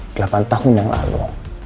delapan tahun yang lalu